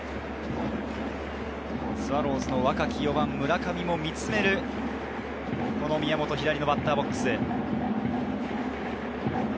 スワローズの若き４番・村上も見つめる、宮本、左のバッターボックス。